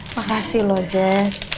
makasih loh jess